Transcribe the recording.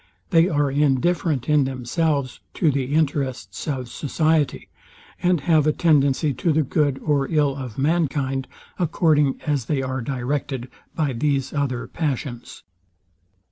They are indifferent in themselves to the interests of society, and have a tendency to the good or ill of mankind, according as they are directed by these other passions.